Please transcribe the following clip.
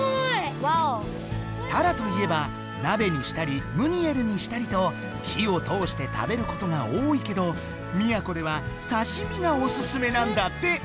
ワオ！たらといえばなべにしたりムニエルにしたりと火を通して食べることが多いけど宮古ではさしみがおすすめなんだって。